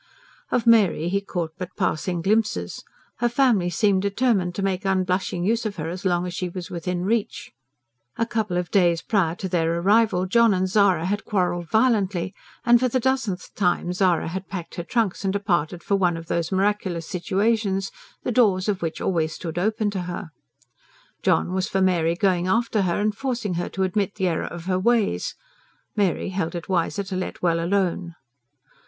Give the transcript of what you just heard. Of Mary he caught but passing glimpses; her family seemed determined to make unblushing use of her as long as she was within reach. A couple of days prior to their arrival, John and Zara had quarrelled violently; and for the dozenth time Zara had packed her trunks and departed for one of those miraculous situations, the doors of which always stood open to her. John was for Mary going after her and forcing her to admit the error of her ways. Mary held it wiser to let well alone.